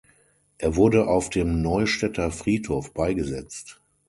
Er wurde auf dem Neustädter Friedhof beigesetzt.